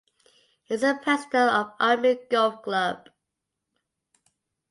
He is the President of Army Golf Club.